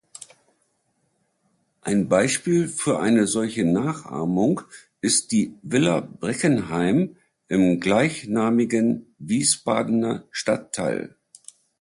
Ein Beispiel für eine solche Nachahmung ist die Villa Breckenheim im gleichnamigen Wiesbadener Stadtteil.